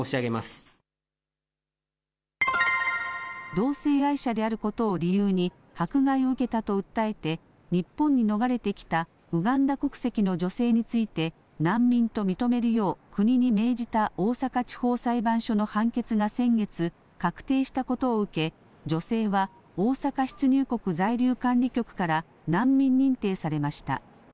同性愛者であることを理由に迫害を受けたと訴えて日本に逃れてきたウガンダ国籍の女性について、難民と認めるよう国に命じた大阪地方裁判所の判決が先月、確定したことを受け女性は大阪出入国在留管理局から難民認定されました。